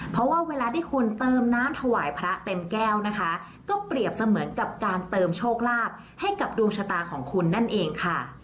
เพราะว่าเวลาที่คุณเติมน้ำถวายพระเต็มแก้วนะคะก็เปรียบเสมือนกับการเติมโชคลาภให้กับดวงชะตาของคุณนั่นเองค่ะ